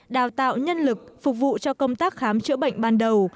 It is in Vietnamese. đào tạo nhân lực phục vụ cho công tác khám chữa bệnh ban đầu